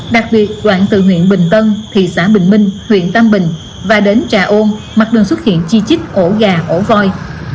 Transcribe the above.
đặc biệt đoạn từ huyện bình tân thị xã bình minh huyện tam bình và đến trà ôn mặt đường xuất hiện chi chích ổ gà ổ voi